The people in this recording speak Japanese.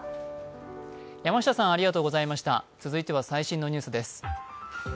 続いては最新のニュースです。